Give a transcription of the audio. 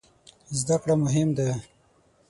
زده کړه مهم ده